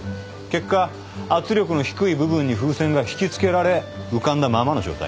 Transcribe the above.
結果圧力の低い部分に風船がひきつけられ浮かんだままの状態になる。